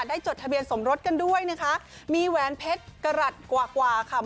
จดทะเบียนสมรสกันด้วยนะคะมีแหวนเพชรกระหลัดกว่ากว่าค่ะ